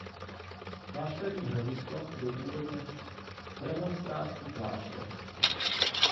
Klášterní Hradisko byl původně premonstrátský klášter.